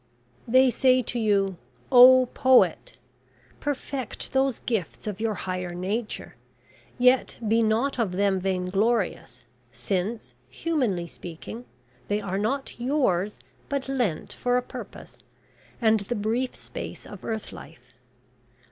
They say to you, oh Poet, `Perfect those gifts of your higher nature yet be not of them vainglorious, since, humanly speaking, they are not yours, but lent for a purpose, and the brief space of earth life.'